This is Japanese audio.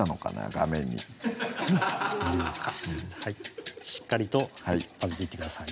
画面にしっかりと混ぜていってください